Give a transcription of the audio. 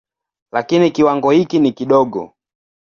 Lakini kiwango hiki ni kidogo.